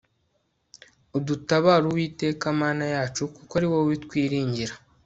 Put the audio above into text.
Udutabare Uwiteka Mana yacu kuko ari wowe twiringira